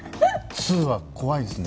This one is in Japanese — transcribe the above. ２は怖いですね。